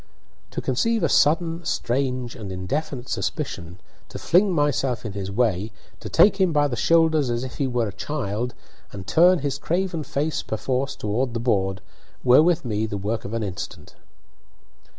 To conceive a sudden, strange, and indefinite suspicion, to fling myself in his way, to take him by the shoulders as if he were a child, and turn his craven face, perforce, toward the board, were with me the work of an instant.